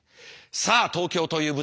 さあ東京という舞台だ！